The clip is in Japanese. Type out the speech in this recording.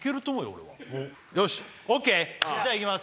俺はＯＫじゃあいきます